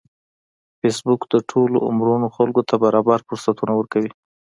فېسبوک د ټولو عمرونو خلکو ته برابر فرصتونه ورکوي